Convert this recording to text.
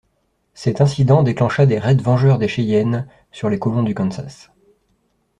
Cet incident déclencha des raids vengeurs des Cheyennes sur les colons du Kansas.